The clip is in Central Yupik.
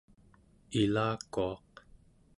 ilakuaq